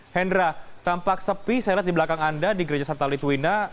hendra tampak sepi saya lihat di belakang anda di gereja sarta litwina